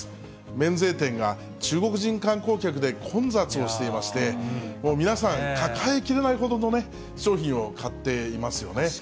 免税店が中国人観光客で混雑をしていまして、もう皆さん、抱えきれないほどのね、商品を買っていますよね。